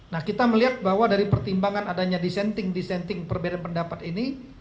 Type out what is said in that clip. nah kita melihat bahwa dari pertimbangan adanya dissenting dissenting perbedaan pendapat ini